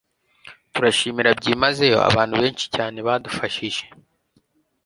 turashimira byimazeyo abantu benshi cyane badufashije